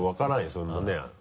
そんなね。